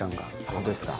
本当ですか。